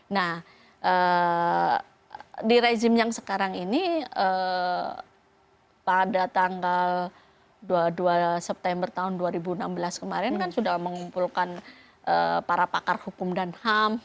nah di rezim yang sekarang ini pada tanggal dua september tahun dua ribu enam belas kemarin kan sudah mengumpulkan para pakar hukum dan ham